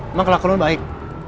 emang kelakuan lo baik